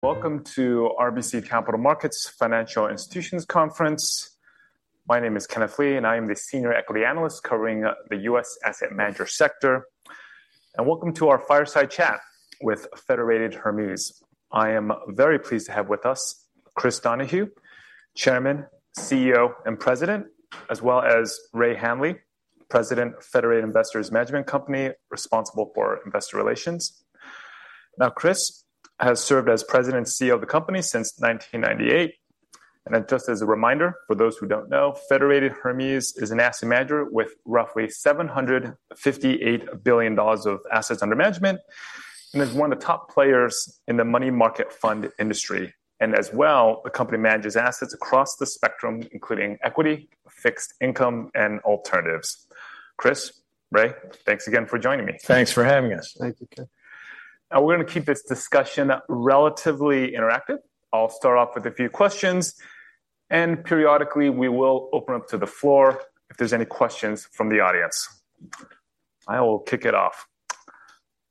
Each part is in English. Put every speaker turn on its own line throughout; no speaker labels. Welcome to RBC Capital Markets Financial Institutions Conference. My name is Kenneth Lee, and I am the Senior Equity Analyst covering the U.S. asset manager sector. Welcome to our fireside chat with Federated Hermes. I am very pleased to have with us Chris Donahue, Chairman, CEO, and President, as well as Ray Hanley, President, Federated Investors Management Company, responsible for investor relations. Now, Chris has served as President and CEO of the company since 1998. Just as a reminder, for those who don't know, Federated Hermes is an asset manager with roughly $758 billion of assets under management and is one of the top players in the money market fund industry. As well, the company manages assets across the spectrum, including equity, fixed income, and alternatives. Chris, Ray, thanks again for joining me.
Thanks for having us.
Thank you, Ken.
Now, we're going to keep this discussion relatively interactive. I'll start off with a few questions, and periodically, we will open up to the floor if there's any questions from the audience. I will kick it off.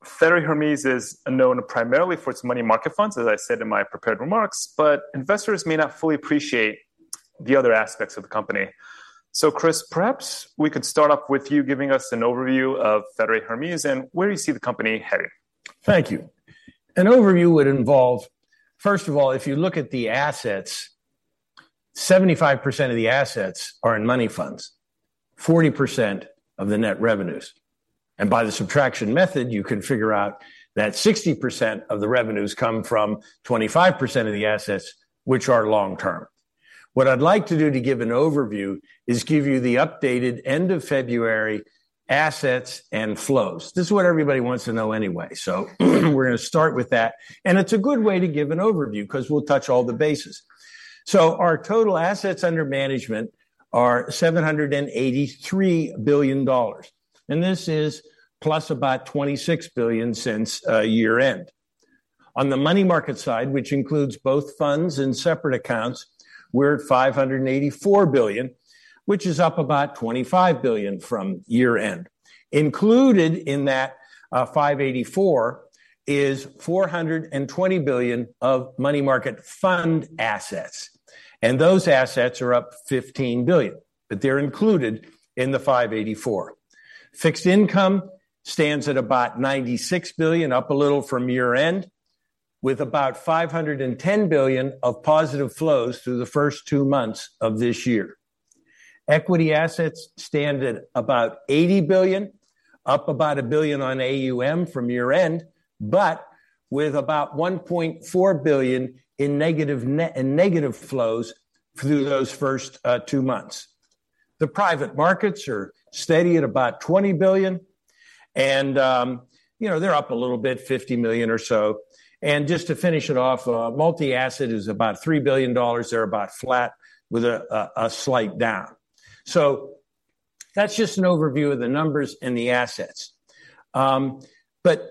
Federated Hermes is known primarily for its money market funds, as I said in my prepared remarks, but investors may not fully appreciate the other aspects of the company. So, Chris, perhaps we could start off with you giving us an overview of Federated Hermes and where you see the company heading.
Thank you. An overview would involve, first of all, if you look at the assets, 75% of the assets are in money funds, 40% of the net revenues. And by the subtraction method, you can figure out that 60% of the revenues come from 25% of the assets, which are long term. What I'd like to do to give an overview is give you the updated end-of-February assets and flows. This is what everybody wants to know anyway. So we're going to start with that. And it's a good way to give an overview because we'll touch all the bases. So our total assets under management are $783 billion. And this is plus about $0.26 billion since year-end. On the money market side, which includes both funds and separate accounts, we're at $584 billion, which is up about $0.25 billion from year-end. Included in that $584 billion is $420 billion of money market fund assets. Those assets are up $0.15 billion, but they're included in the $584 billion. Fixed income stands at about $96 billion, up a little from year-end, with about $5.10 billion of positive flows through the first two months of this year. Equity assets stand at about $80 billion, up about $1 billion on AUM from year-end, but with about $1.4 billion in negative flows through those first two months. The private markets are steady at about $20 billion. They're up a little bit, $50 million or so. Just to finish it off, multi-asset is about $3 billion. They're about flat with a slight down. So that's just an overview of the numbers and the assets. But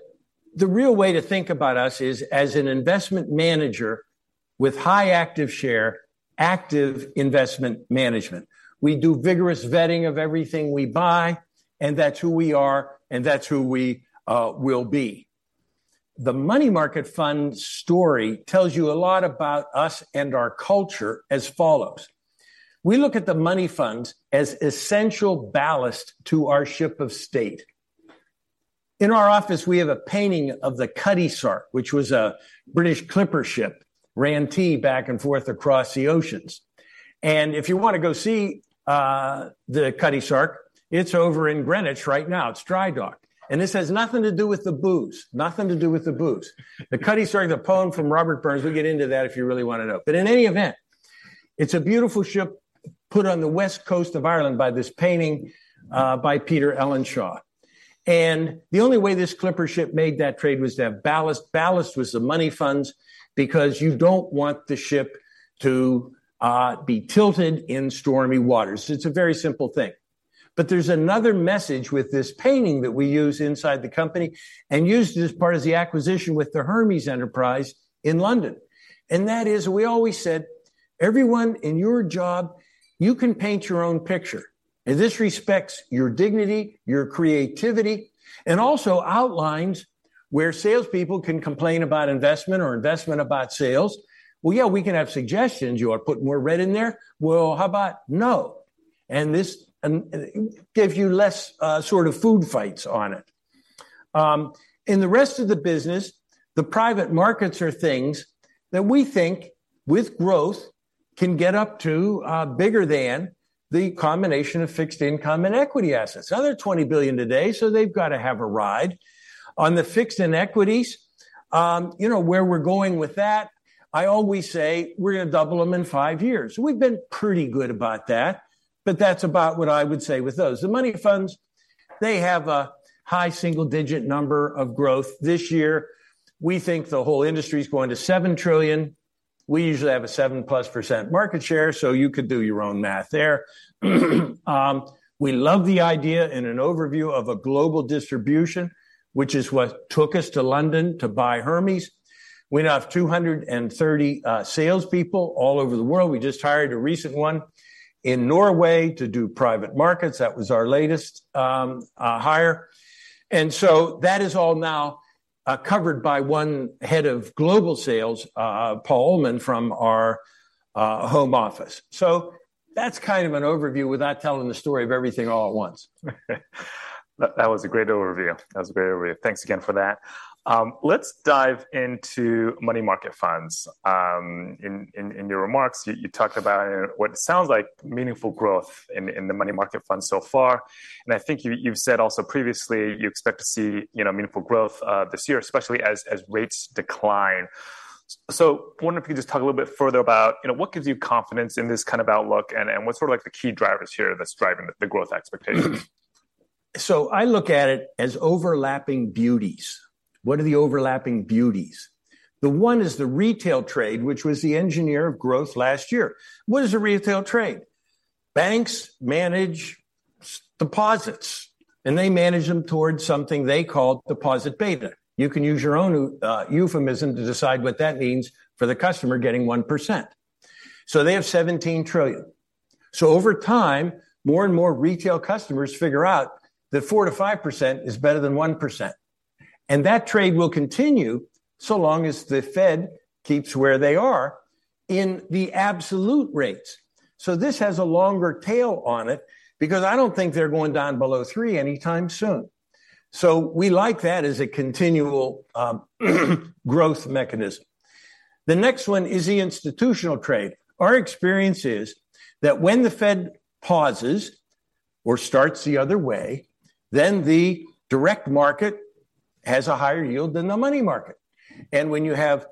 the real way to think about us is as an investment manager with high active share, active investment management. We do vigorous vetting of everything we buy, and that's who we are, and that's who we will be. The money market fund story tells you a lot about us and our culture as follows. We look at the money funds as essential ballast to our ship of state. In our office, we have a painting of the Cutty Sark, which was a British clipper ship, ran tea back and forth across the oceans. And if you want to go see the Cutty Sark, it's over in Greenwich right now. It's dry docked. And this has nothing to do with the booze, nothing to do with the booze. The Cutty Sark is a poem from Robert Burns. We'll get into that if you really want to know. But in any event, it's a beautiful ship put on the west coast of Ireland by this painting by Peter Ellenshaw. The only way this clipper ship made that trade was to have ballast. Ballast was the money funds because you don't want the ship to be tilted in stormy waters. It's a very simple thing. But there's another message with this painting that we use inside the company and used as part of the acquisition with the Hermes Enterprise in London. And that is, we always said, everyone in your job, you can paint your own picture. And this respects your dignity, your creativity, and also outlines where salespeople can complain about investment or investment about sales. Well, yeah, we can have suggestions. You want to put more red in there? Well, how about no? And this gives you less sort of food fights on it. In the rest of the business, the private markets are things that we think, with growth, can get up to bigger than the combination of fixed income and equity assets. Another $20 billion today, so they've got to have a ride. On the fixed and equities, where we're going with that, I always say we're going to double them in five years. We've been pretty good about that. But that's about what I would say with those. The money funds, they have a high single-digit number of growth this year. We think the whole industry is going to $7 trillion. We usually have a 7+% market share, so you could do your own math there. We love the idea in an overview of a global distribution, which is what took us to London to buy Hermes. We now have 230 salespeople all over the world. We just hired a recent one in Norway to do private markets. That was our latest hire. And so that is all now covered by one head of global sales, Paul Uhlman, from our home office. So that's kind of an overview without telling the story of everything all at once.
That was a great overview. That was a great overview. Thanks again for that. Let's dive into money market funds. In your remarks, you talked about what sounds like meaningful growth in the money market funds so far. I think you've said also previously you expect to see meaningful growth this year, especially as rates decline. I wonder if you could just talk a little bit further about what gives you confidence in this kind of outlook and what's sort of the key drivers here that's driving the growth expectations?
So I look at it as overlapping beauties. What are the overlapping beauties? The one is the retail trade, which was the engineer of growth last year. What is the retail trade? Banks manage deposits, and they manage them towards something they call deposit beta. You can use your own euphemism to decide what that means for the customer getting 1%. So they have $17 trillion. So over time, more and more retail customers figure out that 4%-5% is better than 1%. And that trade will continue so long as the Fed keeps where they are in the absolute rates. So this has a longer tail on it because I don't think they're going down below 3% anytime soon. So we like that as a continual growth mechanism. The next one is the institutional trade. Our experience is that when the Fed pauses or starts the other way, then the direct market has a higher yield than the money market. And when you have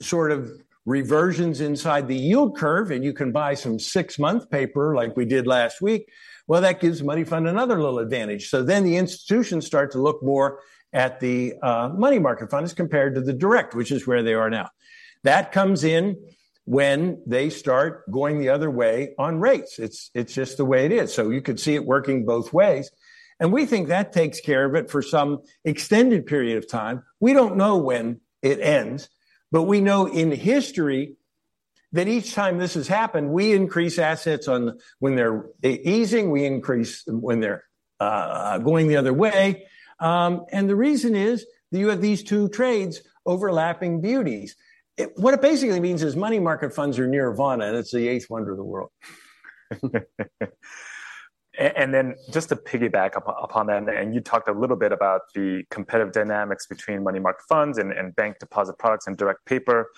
sort of reversions inside the yield curve, and you can buy some six-month paper like we did last week, well, that gives the money fund another little advantage. So then the institutions start to look more at the money market funds compared to the direct, which is where they are now. That comes in when they start going the other way on rates. It's just the way it is. So you could see it working both ways. And we think that takes care of it for some extended period of time. We don't know when it ends. But we know in history that each time this has happened, we increase assets when they're easing. We increase when they're going the other way. The reason is you have these two trades overlapping beauties. What it basically means is money market funds are nirvana, and it's the eighth wonder of the world.
Then just to piggyback upon that, you talked a little bit about the competitive dynamics between money market funds and bank deposit products and direct paper.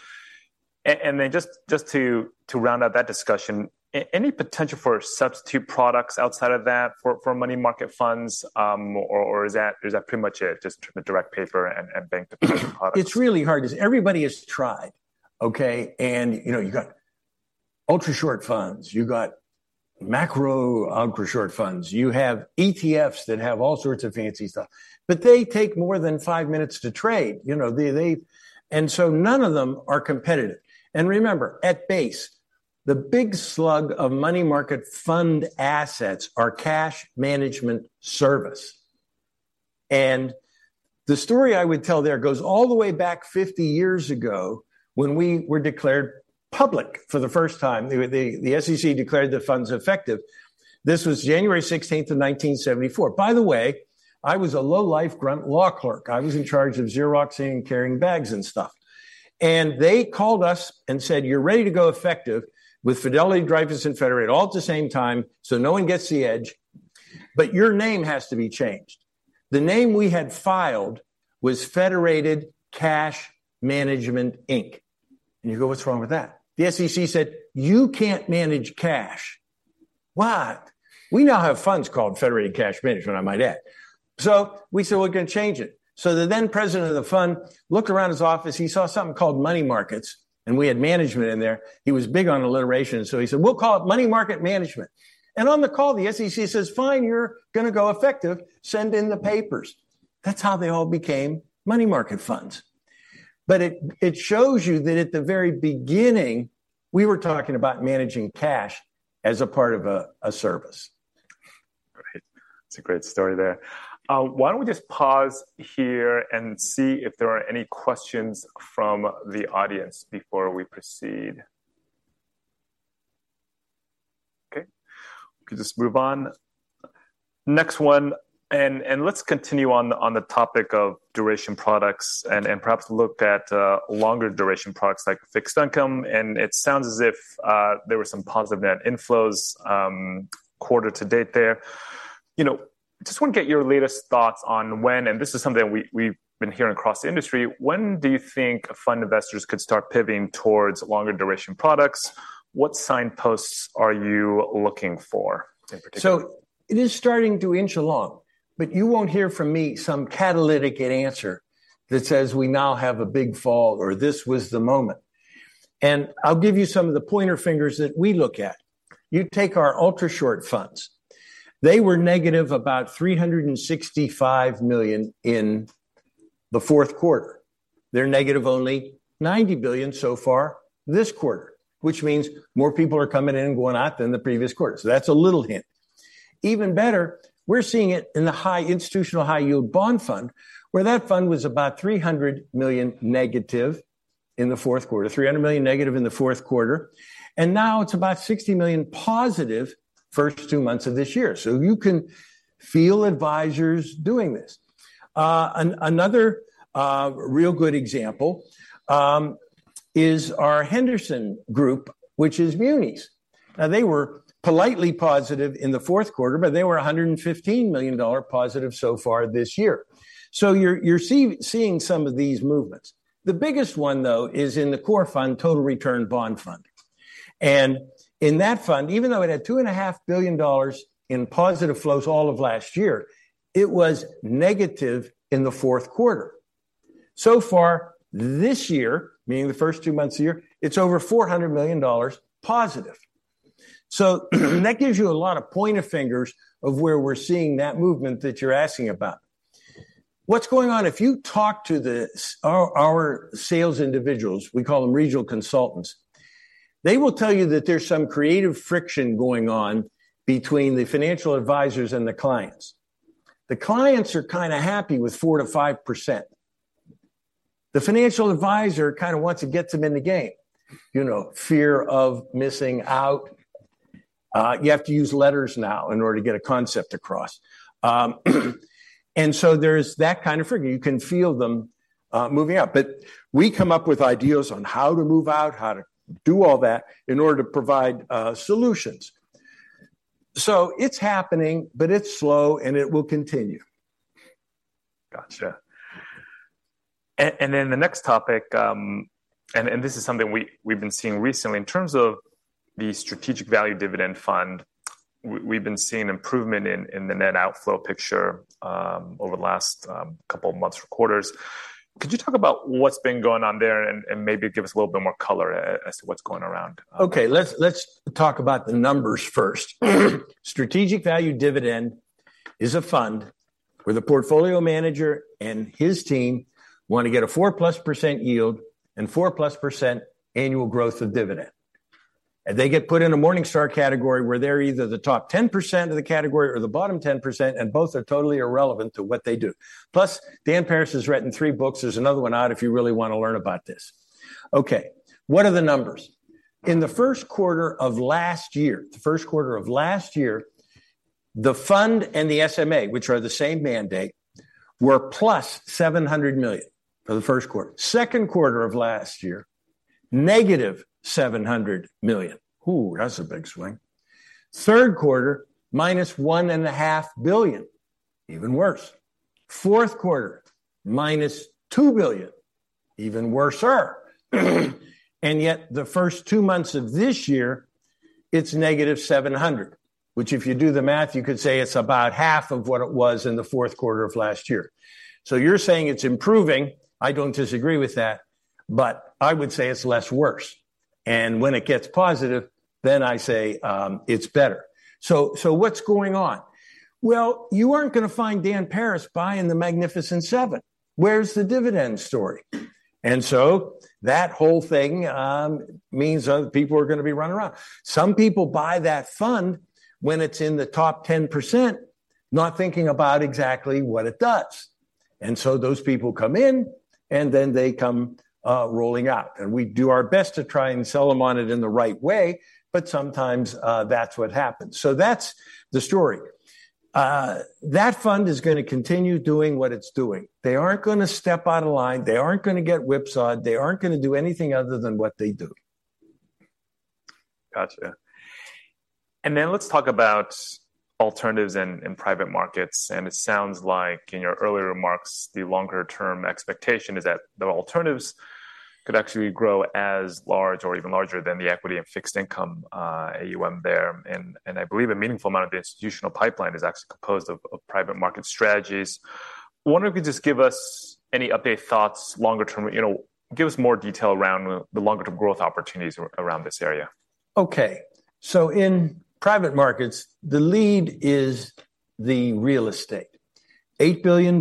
Then just to round out that discussion, any potential for substitute products outside of that for money market funds? Or is that pretty much it, just the direct paper and bank deposit products?
It's really hard because everybody has tried, OK? And you've got ultra-short funds. You've got macro-ultra-short funds. You have ETFs that have all sorts of fancy stuff. But they take more than five minutes to trade. And so none of them are competitive. And remember, at base, the big slug of money market fund assets are cash management service. And the story I would tell there goes all the way back 50 years ago when we were declared public for the first time. The SEC declared the funds effective. This was January 16, 1974. By the way, I was a low-life grunt law clerk. I was in charge of Xeroxing and carrying bags and stuff. And they called us and said, you're ready to go effective with Fidelity, Dreyfus, and Federated all at the same time so no one gets the edge. But your name has to be changed. The name we had filed was Federated Cash Management, Inc. And you go, what's wrong with that? The SEC said, you can't manage cash. What? We now have funds called Federated Cash Management, I might add. So we said, we're going to change it. So the then president of the fund looked around his office. He saw something called money markets. And we had management in there. He was big on alliteration. So he said, we'll call it Money Market Management. And on the call, the SEC says, fine, you're going to go effective. Send in the papers. That's how they all became money market funds. But it shows you that at the very beginning, we were talking about managing cash as a part of a service.
That's a great story there. Why don't we just pause here and see if there are any questions from the audience before we proceed? OK? We can just move on. Next one. Let's continue on the topic of duration products and perhaps look at longer duration products like fixed income. It sounds as if there were some positive net inflows quarter to date there. I just want to get your latest thoughts on when, and this is something we've been hearing across the industry, when do you think fund investors could start pivoting towards longer duration products? What signposts are you looking for in particular?
So it is starting to inch along. But you won't hear from me some catalytic answer that says we now have a big fall or this was the moment. And I'll give you some of the pointer fingers that we look at. You take our ultra-short funds. They were negative about $365 million in the fourth quarter. They're negative only $90 billion so far this quarter, which means more people are coming in and going out than the previous quarter. So that's a little hint. Even better, we're seeing it in the Institutional High Yield Bond Fund, where that fund was about $300 million negative in the fourth quarter, $300 million negative in the fourth quarter. And now it's about $60 million positive first two months of this year. So you can feel advisors doing this. Another real good example is our Henderson Group, which is munis. Now, they were politely positive in the fourth quarter, but they were $115 million positive so far this year. So you're seeing some of these movements. The biggest one, though, is in the core fund, Total Return Bond Fund. And in that fund, even though it had $2.5 billion in positive flows all of last year, it was negative in the fourth quarter. So far this year, meaning the first two months of the year, it's over $400 million positive. So that gives you a lot of pointers of where we're seeing that movement that you're asking about. What's going on? If you talk to our sales individuals, we call them regional consultants, they will tell you that there's some creative friction going on between the financial advisors and the clients. The clients are kind of happy with 4%-5%. The financial advisor kind of wants to get them in the game, fear of missing out. You have to use letters now in order to get a concept across. And so there's that kind of friction. You can feel them moving out. But we come up with ideas on how to move out, how to do all that in order to provide solutions. So it's happening, but it's slow, and it will continue.
Gotcha. And then the next topic, and this is something we've been seeing recently in terms of the Strategic Value Dividend Fund, we've been seeing improvement in the net outflow picture over the last couple of months or quarters. Could you talk about what's been going on there and maybe give us a little bit more color as to what's going around?
OK, let's talk about the numbers first. Strategic Value Dividend is a fund where the portfolio manager and his team want to get a 4%+ yield and 4%+ annual growth of dividend. They get put in a Morningstar category where they're either the top 10% of the category or the bottom 10%, and both are totally irrelevant to what they do. Plus, Daniel Peris has written three books. There's another one out if you really want to learn about this. OK, what are the numbers? In the first quarter of last year, the fund and the SMA, which are the same mandate, were +$700 million for the first quarter. Second quarter of last year, -$700 million. Ooh, that's a big swing. Third quarter, -$1.5 billion, even worse. Fourth quarter, -$2 billion, even worser. And yet the first two months of this year, it's negative $700, which if you do the math, you could say it's about half of what it was in the fourth quarter of last year. So you're saying it's improving. I don't disagree with that. But I would say it's less worse. And when it gets positive, then I say it's better. So what's going on? Well, you aren't going to find Daniel Peris buying the Magnificent Seven. Where's the dividend story? And so that whole thing means other people are going to be running around. Some people buy that fund when it's in the top 10%, not thinking about exactly what it does. And so those people come in, and then they come rolling out. And we do our best to try and sell them on it in the right way. But sometimes that's what happens. That's the story. That fund is going to continue doing what it's doing. They aren't going to step out of line. They aren't going to get whipsawed. They aren't going to do anything other than what they do.
Gotcha. And then let's talk about alternatives in private markets. And it sounds like in your earlier remarks, the longer-term expectation is that the alternatives could actually grow as large or even larger than the equity and fixed income AUM there. And I believe a meaningful amount of the institutional pipeline is actually composed of private market strategies. I wonder if you could just give us any updated thoughts longer term, give us more detail around the longer-term growth opportunities around this area?
OK, so in private markets, the lead is the real estate, $8 billion.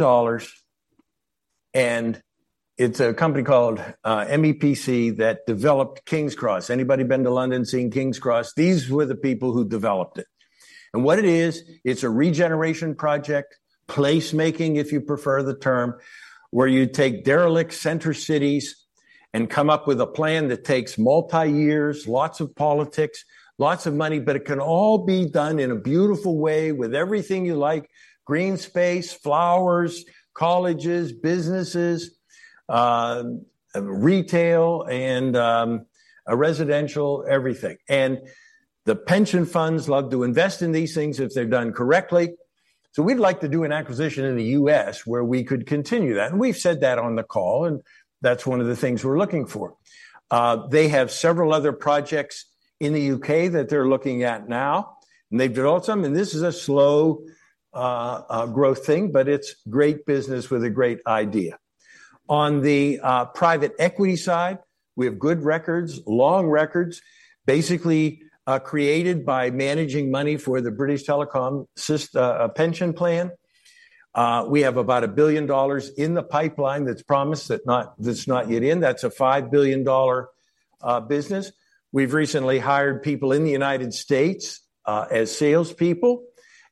And it's a company called MEPC that developed King's Cross. Anybody been to London seeing King's Cross? These were the people who developed it. And what it is, it's a regeneration project, placemaking, if you prefer the term, where you take derelict center cities and come up with a plan that takes multi-years, lots of politics, lots of money. But it can all be done in a beautiful way with everything you like: green space, flowers, colleges, businesses, retail, and residential, everything. And the pension funds love to invest in these things if they're done correctly. So we'd like to do an acquisition in the U.S. where we could continue that. And we've said that on the call. And that's one of the things we're looking for. They have several other projects in the UK that they're looking at now. They've developed some. This is a slow growth thing. But it's great business with a great idea. On the private equity side, we have good records, long records, basically created by managing money for the British Telecom pension plan. We have about $1 billion in the pipeline that's promised that's not yet in. That's a $5 billion business. We've recently hired people in the United States as salespeople.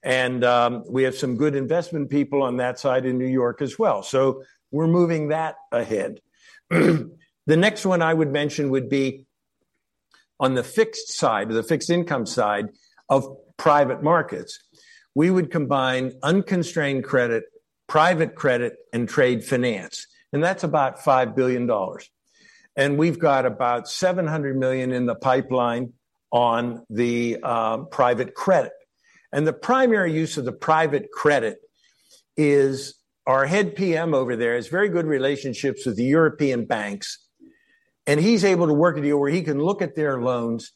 We have some good investment people on that side in New York as well. We're moving that ahead. The next one I would mention would be on the fixed side, the fixed income side of private markets. We would combine unconstrained credit, private credit, and trade finance. That's about $5 billion. We've got about $700 million in the pipeline on the private credit. The primary use of the private credit is our head PM over there has very good relationships with the European banks. He's able to work with you where he can look at their loans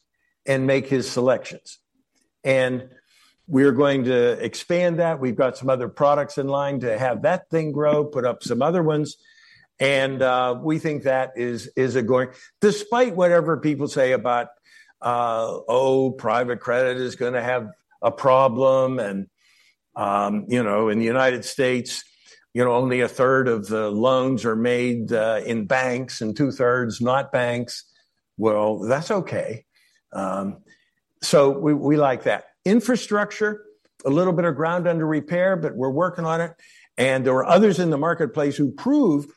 and make his selections. We are going to expand that. We've got some other products in line to have that thing grow, put up some other ones. We think that is a go despite whatever people say about, oh, private credit is going to have a problem. In the United States, only 1/3 of the loans are made in banks and 2/3 not banks. Well, that's OK. So we like that. Infrastructure, a little bit of ground under repair, but we're working on it. There were others in the marketplace who proved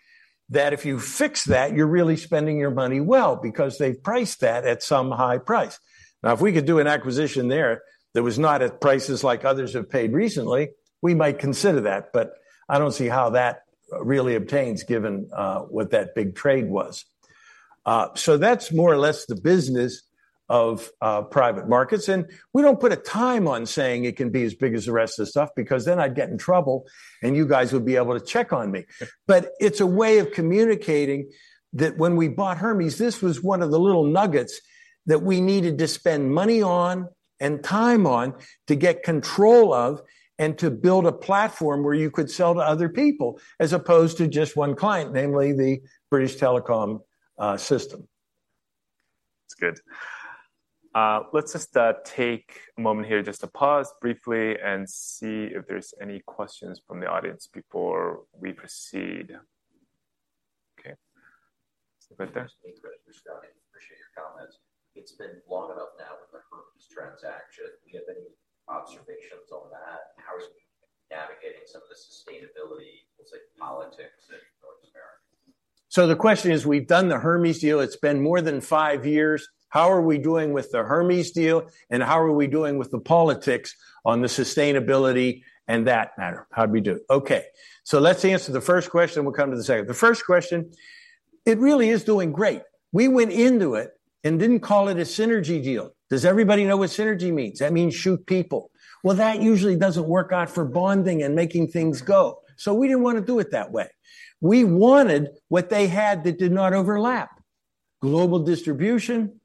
that if you fix that, you're really spending your money well because they've priced that at some high price. Now, if we could do an acquisition there that was not at prices like others have paid recently, we might consider that. But I don't see how that really obtains, given what that big trade was. So that's more or less the business of private markets. We don't put a time on saying it can be as big as the rest of the stuff because then I'd get in trouble. You guys would be able to check on me. But it's a way of communicating that when we bought Hermes, this was one of the little nuggets that we needed to spend money on and time on to get control of and to build a platform where you could sell to other people as opposed to just one client, namely the British Telecom system.
That's good. Let's just take a moment here just to pause briefly and see if there's any questions from the audience before we proceed. OK, right there.
Thanks, Chris. Chris Donahue, appreciate your comments. It's been long enough now with the Hermes transaction. Do you have any observations on that? How are you navigating some of the sustainability politics in North America?
So the question is, we've done the Hermes deal. It's been more than five years. How are we doing with the Hermes deal? And how are we doing with the politics on the sustainability and that matter? How'd we do? OK, so let's answer the first question. We'll come to the second. The first question, it really is doing great. We went into it and didn't call it a synergy deal. Does everybody know what synergy means? That means shoot people. Well, that usually doesn't work out for bonding and making things go. So we didn't want to do it that way. We wanted what they had that did not overlap, global distribution,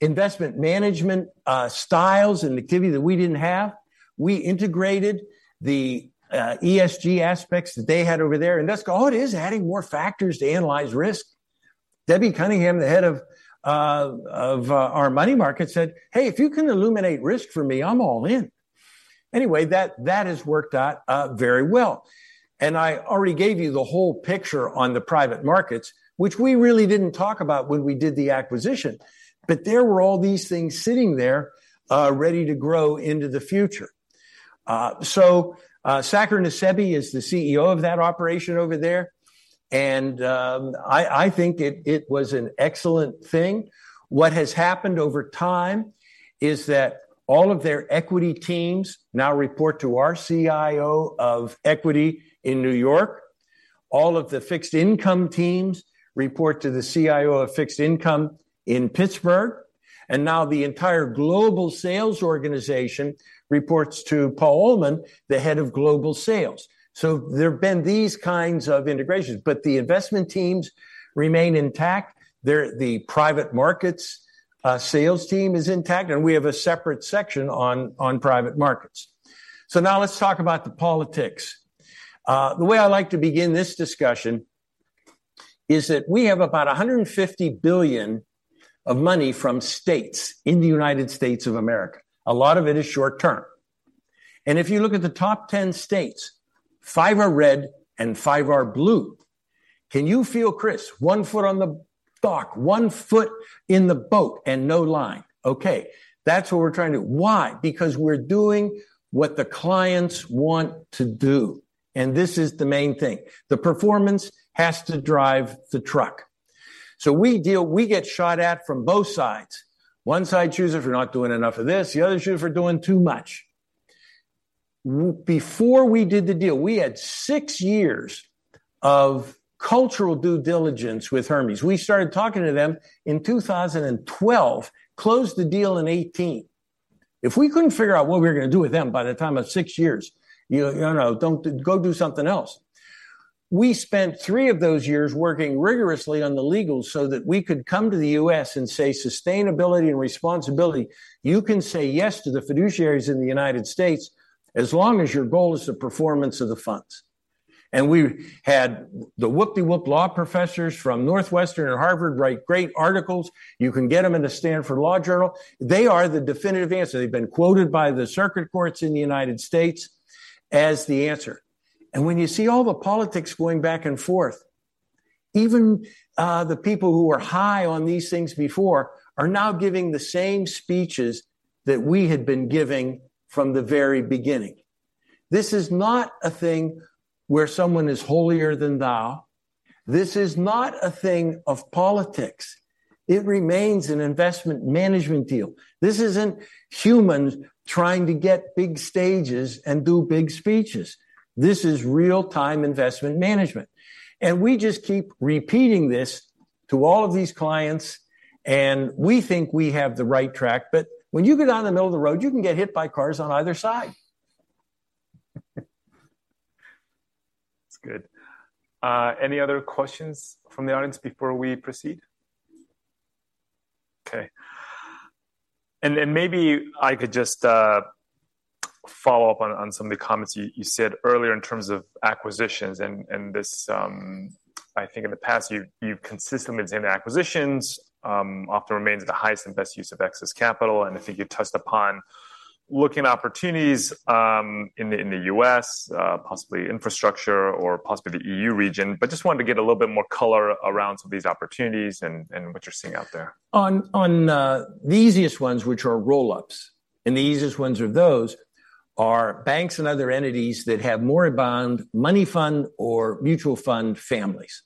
investment management styles and activity that we didn't have. We integrated the ESG aspects that they had over there. And that's all it is, adding more factors to analyze risk. Debbie Cunningham, the head of our money markets, said, hey, if you can illuminate risk for me, I'm all in. Anyway, that has worked out very well. I already gave you the whole picture on the private markets, which we really didn't talk about when we did the acquisition. There were all these things sitting there ready to grow into the future. Saker Nusseibeh is the CEO of that operation over there. I think it was an excellent thing. What has happened over time is that all of their equity teams now report to our CIO of equity in New York. All of the fixed income teams report to the CIO of fixed income in Pittsburgh. Now the entire global sales organization reports to Paul Uhlman, the head of global sales. There have been these kinds of integrations. The investment teams remain intact. The private markets sales team is intact. We have a separate section on private markets. Now let's talk about the politics. The way I like to begin this discussion is that we have about $150 billion of money from states in the United States of America. A lot of it is short term. If you look at the top 10 states, five are red and five are blue. Can you feel, Chris, one foot on the dock, one foot in the boat, and no line? OK, that's what we're trying to do. Why? Because we're doing what the clients want to do. This is the main thing. The performance has to drive the truck. We get shot at from both sides. One side chooses if we're not doing enough of this. The other chooses if we're doing too much. Before we did the deal, we had six years of cultural due diligence with Hermes. We started talking to them in 2012, closed the deal in 2018. If we couldn't figure out what we were going to do with them by the time of six years, you know, go do something else. We spent three of those years working rigorously on the legals so that we could come to the U.S. and say sustainability and responsibility, you can say yes to the fiduciaries in the United States as long as your goal is the performance of the funds. And we had the whoop-de-woop law professors from Northwestern or Harvard write great articles. You can get them in the Stanford Law Journal. They are the definitive answer. They've been quoted by the circuit courts in the United States as the answer. And when you see all the politics going back and forth, even the people who were high on these things before are now giving the same speeches that we had been giving from the very beginning. This is not a thing where someone is holier than thou. This is not a thing of politics. It remains an investment management deal. This isn't humans trying to get big stages and do big speeches. This is real-time investment management. And we just keep repeating this to all of these clients. And we think we have the right track. But when you get out in the middle of the road, you can get hit by cars on either side.
That's good. Any other questions from the audience before we proceed? OK, and maybe I could just follow up on some of the comments you said earlier in terms of acquisitions. This, I think, in the past, you've consistently been saying that acquisitions often remain the highest and best use of excess capital. I think you touched upon looking at opportunities in the U.S., possibly infrastructure or possibly the EU region. But just wanted to get a little bit more color around some of these opportunities and what you're seeing out there.
On the easiest ones, which are roll-ups. The easiest ones of those are banks and other entities that have more bond money fund or mutual fund families.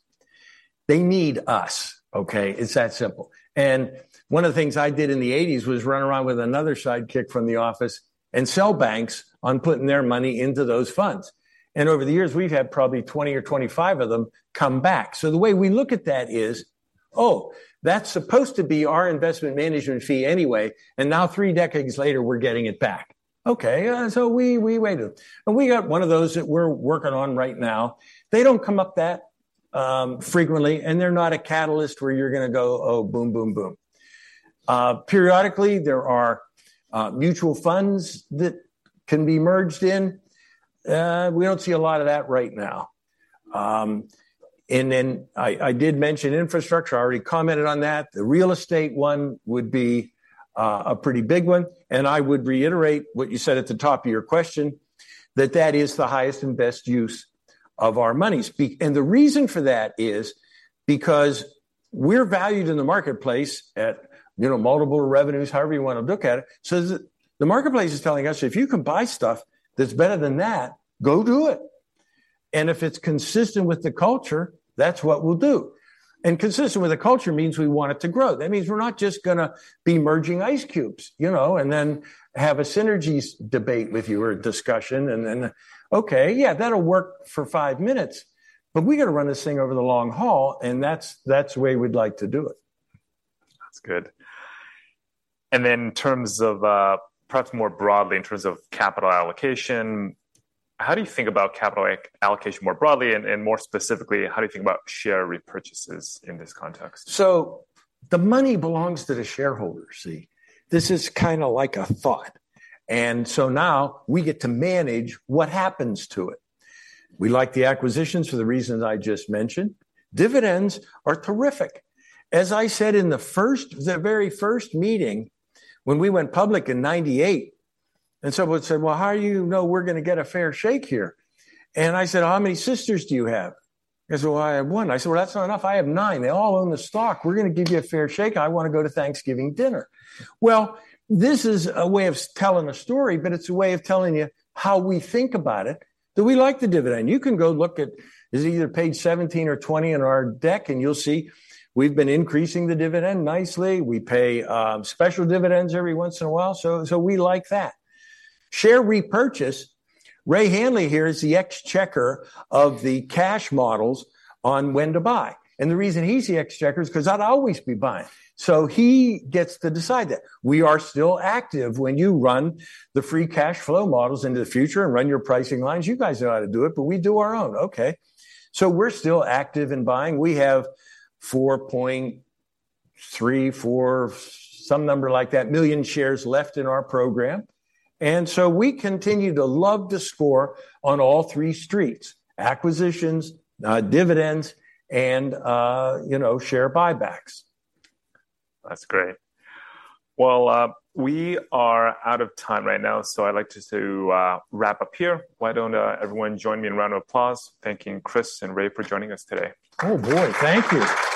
They need us. OK, it's that simple. One of the things I did in the 1980s was run around with another sidekick from the office and sell banks on putting their money into those funds. Over the years, we've had probably 20 or 25 of them come back. The way we look at that is, oh, that's supposed to be our investment management fee anyway. Now, three decades later, we're getting it back. OK, so we waited. We got one of those that we're working on right now. They don't come up that frequently. They're not a catalyst where you're going to go, oh, boom, boom, boom. Periodically, there are mutual funds that can be merged in. We don't see a lot of that right now. Then I did mention infrastructure. I already commented on that. The real estate one would be a pretty big one. I would reiterate what you said at the top of your question, that that is the highest and best use of our money. The reason for that is because we're valued in the marketplace at multiple revenues, however you want to look at it. The marketplace is telling us, if you can buy stuff that's better than that, go do it. If it's consistent with the culture, that's what we'll do. Consistent with the culture means we want it to grow. That means we're not just going to be merging ice cubes, you know, and then have a synergies debate with you or discussion. Then, OK, yeah, that'll work for five minutes. But we got to run this thing over the long haul. That's the way we'd like to do it.
That's good. And then in terms of perhaps more broadly, in terms of capital allocation, how do you think about capital allocation more broadly? And more specifically, how do you think about share repurchases in this context?
So the money belongs to the shareholders, see. This is kind of like a thought. And so now we get to manage what happens to it. We like the acquisitions for the reasons I just mentioned. Dividends are terrific. As I said in the very first meeting when we went public in 1998, and someone said, well, how do you know we're going to get a fair shake here? And I said, how many sisters do you have? They said, well, I have one. I said, well, that's not enough. I have nine. They all own the stock. We're going to give you a fair shake. I want to go to Thanksgiving dinner. Well, this is a way of telling a story. But it's a way of telling you how we think about it, that we like the dividend. You can go look at it. It's either page 17 or 20 in our deck. You'll see we've been increasing the dividend nicely. We pay special dividends every once in a while. So we like that. Share repurchase. Ray Hanley here is the ex-checker of the cash models on when to buy. The reason he's the ex-checker is because I'd always be buying. So he gets to decide that. We are still active. When you run the free cash flow models into the future and run your pricing lines, you guys know how to do it. But we do our own. OK, so we're still active in buying. We have 4.3, 4, some number like that million shares left in our program. We continue to love to score on all three streets: acquisitions, dividends, and share buybacks.
That's great. Well, we are out of time right now. I'd like to wrap up here. Why don't everyone join me in a round of applause thanking Chris and Ray for joining us today?
Oh, boy, thank you.